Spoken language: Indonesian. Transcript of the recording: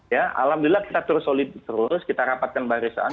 ya alhamdulillah kita terus solid terus kita rapatkan barisan